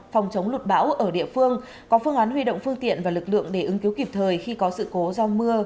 phòng chống lụt bão ở địa phương có phương án huy động phương tiện và lực lượng để ứng cứu kịp thời khi có sự cố do mưa